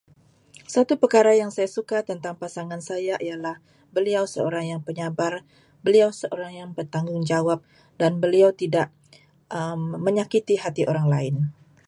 Satu perkara yang saya suka tentang pasangan saya ialah beliau seorang yang penyabar, beliau seorang yang bertanggungjawab dan beliau tidak menyakiti hati orang lain.